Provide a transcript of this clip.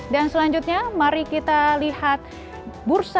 dan selanjutnya mari kita lihat bursa